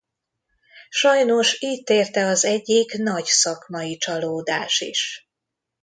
Sajnos itt érte az egyik nagy szakmai csalódás is.